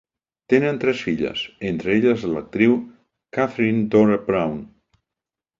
Tenen tres filles, entre elles l'actriu Kathryne Dora Brown.